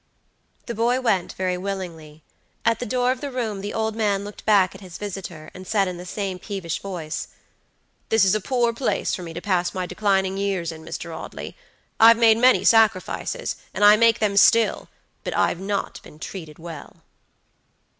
The boy went very willingly. At the door of the room the old man looked back at his visitor, and said in the same peevish voice, "This is a poor place for me to pass my declining years in, Mr. Audley. I've made many sacrifices, and I make them still, but I've not been treated well."